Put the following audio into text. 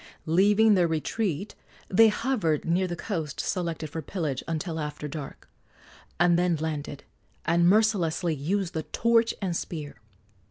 Leaving their retreat, they hovered near the coast selected for pillage until after dark, and then landed and mercilessly used the torch and spear.